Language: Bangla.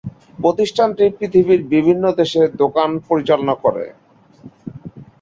প্রতিষ্ঠানটি পৃথিবীর বিভিন্ন দেশে দোকান পরিচালনা করে।